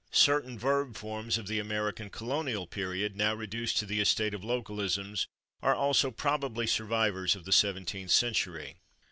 " Certain verb forms of the American colonial period, now reduced to the estate of localisms, are also probably survivors of the seventeenth century.